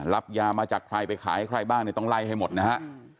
รับยามาจากใครไปขายให้ใครบ้างเนี่ยต้องไล่ให้หมดนะฮะ